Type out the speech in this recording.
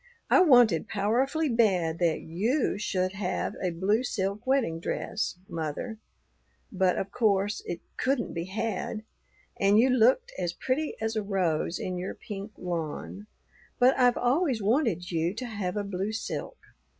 I wanted powerfully bad that you should have a blue silk wedding dress, mother, but of course it couldn't be had, and you looked as pretty as a rose in your pink lawn. But I've always wanted you to have a blue silk.